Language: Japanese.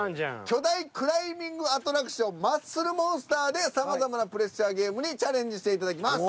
巨大クライミングアトラクションマッスルモンスターでさまざまなプレッシャーゲームにチャレンジしていただきます。